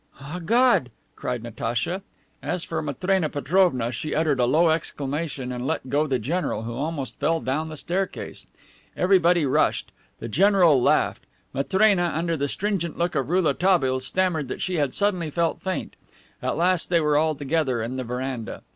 "Ah, God!" cried Natacha. As for Matrena Petrovna, she uttered a low exclamation and let go the general, who almost fell down the staircase. Everybody rushed. The general laughed. Matrena, under the stringent look of Rouletabille, stammered that she had suddenly felt faint. At last they were all together in the veranda.